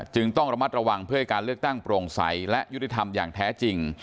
ต้องระมัดระวังเพื่อให้การเลือกตั้งโปร่งใสและยุติธรรมอย่างแท้จริง